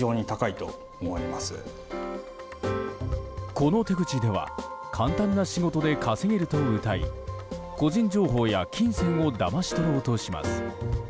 この手口では簡単な仕事で稼げるとうたい個人情報や金銭をだまし取ろうとします。